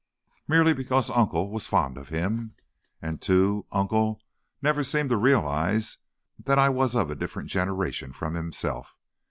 "Merely because Uncle was so fond of him. And, too, Uncle never seemed to realize that I was of a different generation from himself.